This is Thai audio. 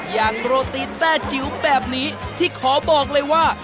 อย่างโรตีแต้จิ๋วแบบนี้ที่ขอบอกเลยว่า